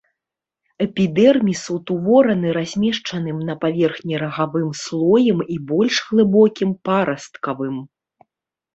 Эпідэрміс утвораны размешчаным на паверхні рагавым слоем і больш глыбокім парасткавым.